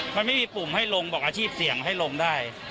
มันไม่มีปุ่มให้ลงบอกอาชีพเสี่ยงให้ลงได้